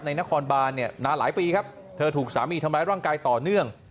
นครบานเนี่ยนานหลายปีครับเธอถูกสามีทำร้ายร่างกายต่อเนื่อง